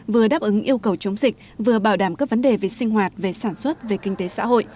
vừa đáp ứng yêu cầu chống dịch vừa bảo đảm các vấn đề về sinh hoạt về sản xuất về kinh tế xã hội